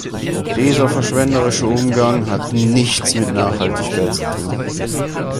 Dieser verschwenderische Umgang hat nichts mit Nachhaltigkeit zu tun.